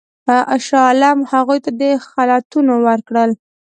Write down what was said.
شاه عالم هغوی ته خلعتونه ورکړل.